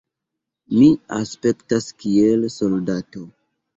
Mi aspektas kiel soldato.